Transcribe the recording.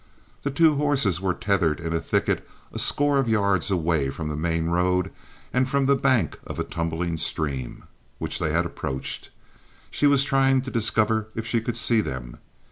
The two horses were tethered in a thicket a score of yards away from the main road and from the bank of a tumbling stream, which they had approached. She was trying to discover if she could see them.